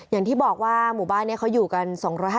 อย่างที่บอกว่าหมู่บ้านนี้เขาอยู่กัน๒๕๐